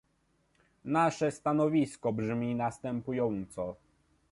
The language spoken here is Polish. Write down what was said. Nasze stanowisko brzmi następująco